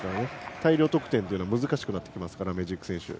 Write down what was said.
大量得点というのは難しくなってきますからメジーク選手。